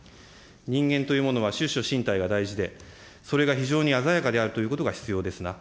人間というものは出処進退が大事で、それが非常に鮮やかであるということが必要ですな。